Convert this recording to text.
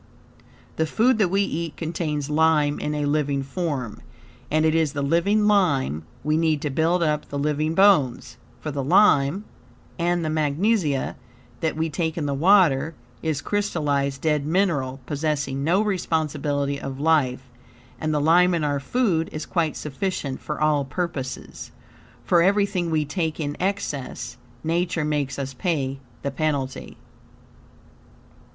The food that we eat contains lime in a living form, and it is the living lime we need to build up the living bones, for the lime and the magnesia that we take in the water is crystallized dead mineral, possessing no responsibility of life, and the lime in our food is quite sufficient for all purposes. For everything we take in excess, Nature makes us pay the penalty.